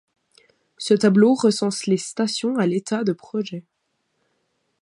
Ce tableau recense les stations à l'état de projet.